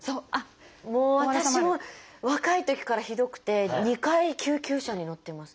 もう私も若いときからひどくて２回救急車に乗ってます。